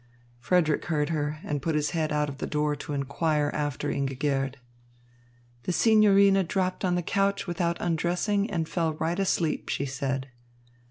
Frederick heard her, and put his head out of the door to inquire after Ingigerd. "The signorina dropped on the couch without undressing and fell right asleep," she said.